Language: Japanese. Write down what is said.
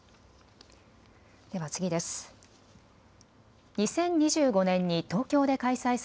では次です。